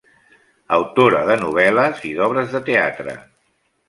Autora de novel·les i d'obres de teatre.